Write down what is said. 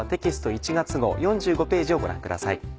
１月号４５ページをご覧ください。